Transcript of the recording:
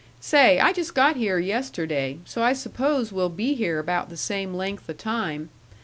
Say, I just got here yesterday, so I suppose we'll be here about the same length o' time.